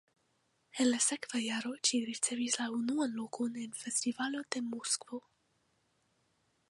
En la sekva jaro ĝi ricevis la unuan lokon en festivalo de Moskvo.